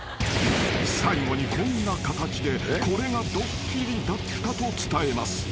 ［最後にこんな形でこれがドッキリだったと伝えます］